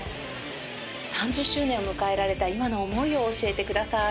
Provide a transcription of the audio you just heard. ３０周年を迎えられた今の思いを教えてください。